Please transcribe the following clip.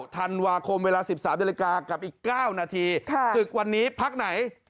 ธันวาคมเวลา๑๓นาฬิกากับอีก๙นาทีศึกวันนี้พักไหน